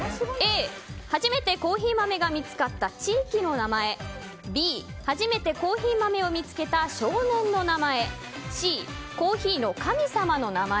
Ａ、初めてコーヒー豆が見つかった地域の名前Ｂ、初めてコーヒー豆を見つけた少年の名前Ｃ、コーヒーの神様の名前。